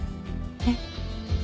えっ？